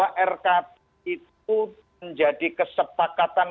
bahwa rkp itu menjadi kesepakatan